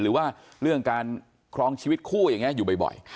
หรือว่าเรื่องการครองชีวิตคู่อย่างนี้อยู่บ่อย